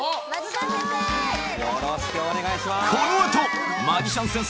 よろしくお願いします